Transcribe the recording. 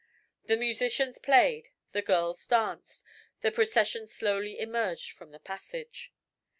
The musicians played, the girls danced, the procession slowly emerged from the passage.